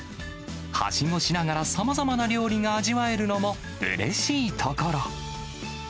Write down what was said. はしごしながらさまざまな料理が味わえるのもうれしいところ。